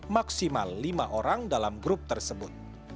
maksimal lima orang dalam grup tersebut